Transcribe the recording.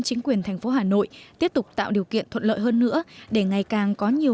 chính quyền thành phố hà nội tiếp tục tạo điều kiện thuận lợi hơn nữa để ngày càng có nhiều